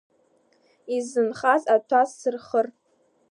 Исзынхаз аҭәа сзырхыр…